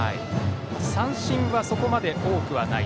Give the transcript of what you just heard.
三振はそこまで多くない。